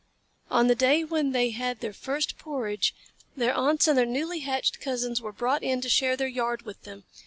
On the day when they had their first porridge, their aunts and their newly hatched cousins were brought in to share their yard with them.